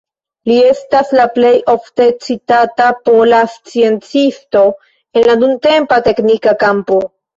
Li estas la plej ofte citata pola sciencisto en la nuntempa teknika kampo.